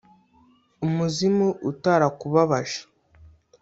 umuzimu utarakubabaje!